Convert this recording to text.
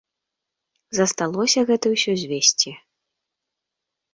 Засталося гэта ўсё звесці.